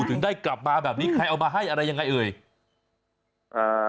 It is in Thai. ถึงได้กลับมาแบบนี้ใครเอามาให้อะไรยังไงเอ่ยอ่า